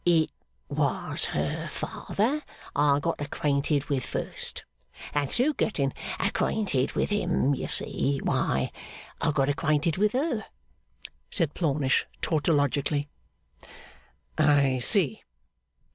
'It was her father that I got acquainted with first. And through getting acquainted with him, you see why I got acquainted with her,' said Plornish tautologically. 'I see.